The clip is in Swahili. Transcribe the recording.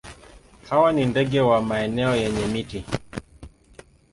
Hawa ni ndege wa maeneo yenye miti.